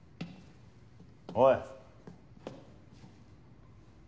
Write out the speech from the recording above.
おい。